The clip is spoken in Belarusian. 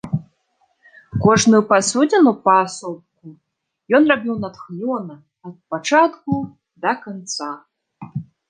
Кожную пасудзіну паасобку ён рабіў натхнёна ад пачатку да канца.